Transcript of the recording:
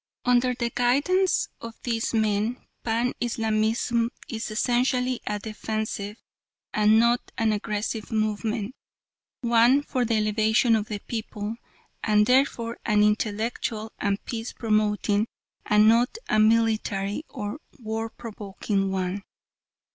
Under the guidance of these men Pan Islamism is essentially a defensive and not an aggressive movement one for the elevation of the people, and therefore an intellectual and peace promoting and not a military or war provoking one.